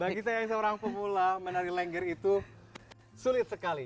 bagi saya seorang pemula menari lengger itu sulit sekali